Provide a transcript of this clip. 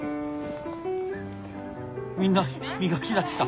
みんな磨きだした。